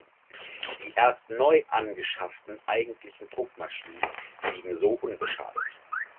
Die erst neu angeschafften eigentlichen Druckmaschinen blieben so unbeschadet.